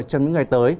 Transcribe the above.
trong những ngày tới